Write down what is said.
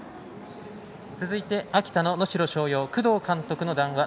続いて秋田の能代松陽工藤監督の談話